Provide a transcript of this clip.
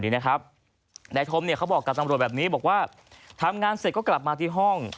นายธมเขาบอกกับตำรวจแบบนี้บอกว่าทำงานเสร็จก็กลับมาที่ห้อง